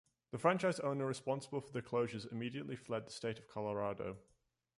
The franchise owner responsible for the closures immediately fled the state of Colorado.